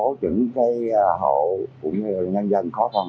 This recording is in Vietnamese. giúp cho những cái hộ của người dân dân khó khăn